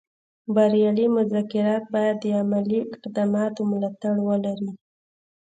بریالي مذاکرات باید د عملي اقداماتو ملاتړ ولري